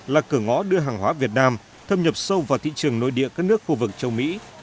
là cửa ngõ đưa hàng hóa việt nam thâm nhập sâu vào thị trường nội địa các nước khu vực châu mỹ